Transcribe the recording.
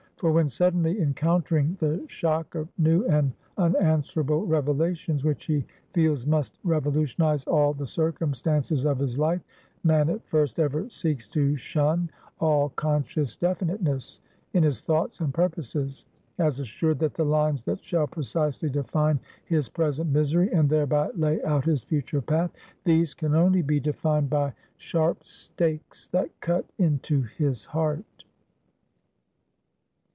For, when suddenly encountering the shock of new and unanswerable revelations, which he feels must revolutionize all the circumstances of his life, man, at first, ever seeks to shun all conscious definitiveness in his thoughts and purposes; as assured, that the lines that shall precisely define his present misery, and thereby lay out his future path; these can only be defined by sharp stakes that cut into his heart.